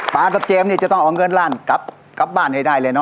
กับเจมส์นี่จะต้องเอาเงินล้านกลับบ้านให้ได้เลยเน